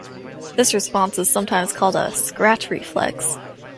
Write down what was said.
This response is sometimes called a scratch reflex.